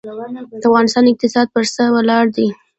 د افغانستان اقتصاد پر څه ولاړ دی؟